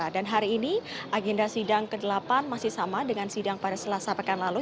dan hari ini agenda sidang ke delapan masih sama dengan sidang pada setelah sabakan lalu